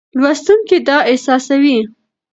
لوستونکی دا احساسوي.